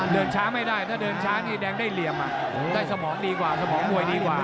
เดินช้าไม่ได้ถ้าเดินช้านี่แดงได้เหลี่ยมได้สมองดีกว่าสมองมวยดีกว่า